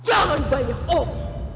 jangan daya om